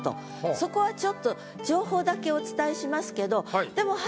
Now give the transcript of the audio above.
そこはちょっと情報だけお伝えしますけど。